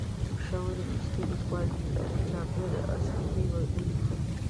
مشهور مصري لیکوال جابر عصفور ولیکل.